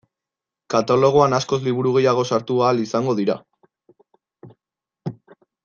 Katalogoan askoz liburu gehiago sartu ahal izango dira.